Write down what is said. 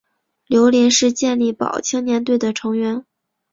刘麟是健力宝青年队的成员。